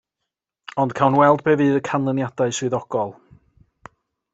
Ond cawn weld be fydd y canlyniadau swyddogol.